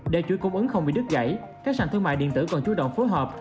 để chuỗi cung ứng không bị đứt gãy các sản thương mại điện tử còn chú động phối hợp